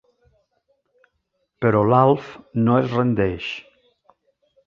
Però l'Alf no es rendeix.